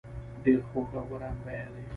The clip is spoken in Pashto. ډیر خوږ او ګران بیه دي.